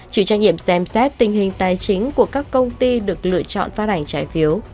chịu trách nhiệm xem xét tình hình tài chính của các công ty được lựa chọn phát hành trái phiếu